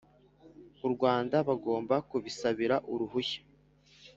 u rwanda bagomba kubisabira uruhushya